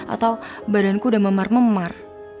atau badanku udah memar memar